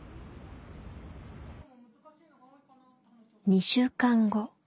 ２週間後。